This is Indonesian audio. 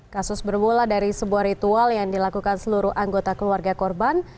kasus bermula dari sebuah ritual yang dilakukan seluruh anggota keluarga korban